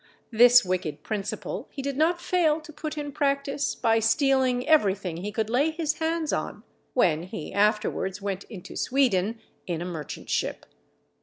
This wicked principle he did not fail to put in practice by stealing everything he could lay his hands on, when he afterwards went into Sweden in a merchant ship.